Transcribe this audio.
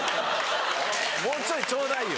もうちょいちょうだいよ。